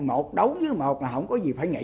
một đấu như một là không có gì phải nghỉ